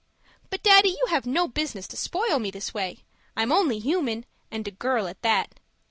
But Daddy, you have no business to spoil me this way. I'm only human and a girl at that.